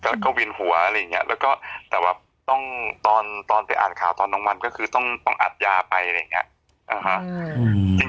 แล้วก็เวียนหัวอะไรอย่างเงี้ยแล้วก็แต่ว่าต้องตอนไปอ่านข่าวตอนกลางวันก็คือต้องอัดยาไปอะไรอย่างเงี้ย